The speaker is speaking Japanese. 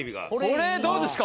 これどうですか？